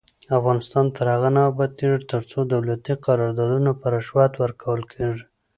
افغانستان تر هغو نه ابادیږي، ترڅو دولتي قراردادونه په رشوت ورکول کیږي.